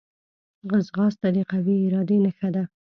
ځغاسته د قوي ارادې نښه ده